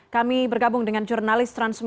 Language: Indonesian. kami bergabung dengan jurnalis transmedia